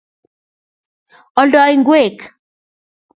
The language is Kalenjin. Oldoi ngwek